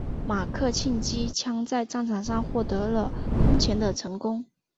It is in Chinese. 马克沁机枪在战场上获得了空前的成功。